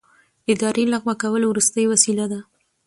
اداري لغوه کول وروستۍ وسیله ده.